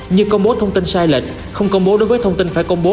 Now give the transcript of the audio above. như công bố thông tin sai lệch không công bố đối với thông tin phải công bố